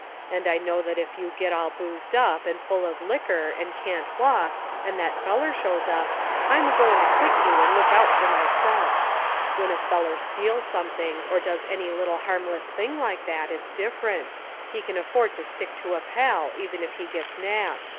And I know that if you get all boozed up, and full of liquor, and can't walk, and that feller shows up, I'm a goin' to quit you and look out for myself. When a feller steals something, or does any little harmless thing like that, it's different. He can afford to stick to a pal, even if he gets nabbed.